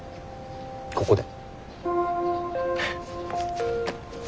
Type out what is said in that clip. ここで。